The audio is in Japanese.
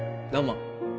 どうも